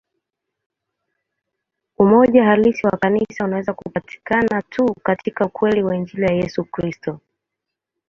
Umoja halisi wa Kanisa unaweza kupatikana tu katika ukweli wa Injili ya Yesu Kristo.